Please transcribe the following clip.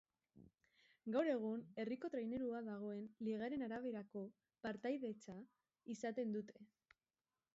Gaur egun herriko trainerua dagoen ligaren araberako partaidetza izaten dute.